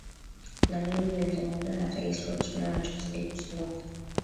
na mimi nilizungumza na rais wa uchina na tuzidi kuchunguza